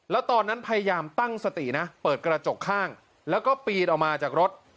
แล้วตอนนั้นพยายามตั้งสตินะเปิดกระจกข้างแล้วก็ปีนออกมาจากรถ